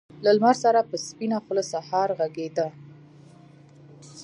له لمر سره په سپينه خــــوله سهار غــــــــږېده